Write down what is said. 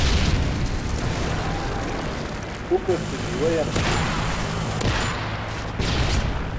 Hukar ce miiwa yanum juwan.